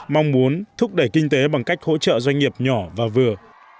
mong muốn thúc đẩy kinh tế bằng cách hỗ trợ doanh nghiệp nhỏ và vừa